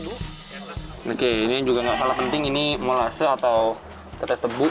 oke ini juga gak kalah penting ini molase atau tetes tebu